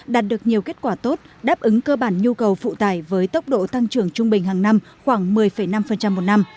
đạt được nhiều kết quả tốt đáp ứng cơ bản nhu cầu phụ tải với tốc độ tăng trưởng trung bình hàng năm khoảng một mươi năm một năm